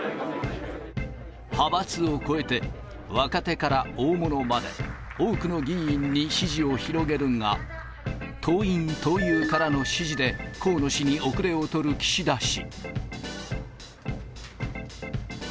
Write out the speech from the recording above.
派閥を超えて、若手から大物まで、多くの議員に支持を広げるが、党員・党友からの支持で河野氏に後れを取る岸田氏。